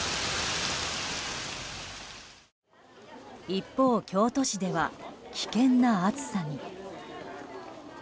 一方、京都市では危険な暑さに。